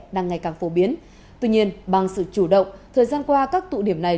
đang ngày càng phổ biến tuy nhiên bằng sự chủ động thời gian qua các tụ điểm này